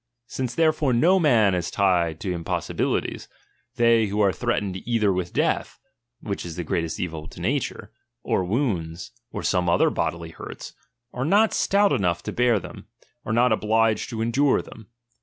Since therefore no man is tied to impossibilities, they who are threatened either with death, (which is the greatest evU to nature), or wounds, or some other hodily hurts, and are not stout enough to bear them, are not obliged to endure them.